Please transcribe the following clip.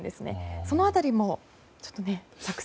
その辺りも作戦。